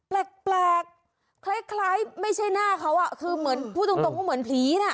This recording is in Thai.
แปลกแปลกคล้ายคล้ายไม่ใช่หน้าเขาอ่ะคือเหมือนพูดตรงตรงก็เหมือนผีน่ะ